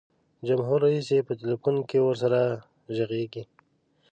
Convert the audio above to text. جمهور رئیس یې په ټلفون کې ورسره ږغیږي.